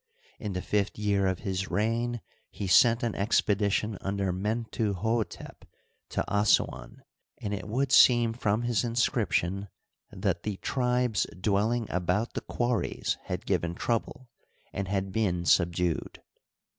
In the fifth year of his reign he sent an expedition under Mentuhdtep to Assuan, and it would seem from his inscription that the tribes dwelling about the quarries had given trouble and had been subdued.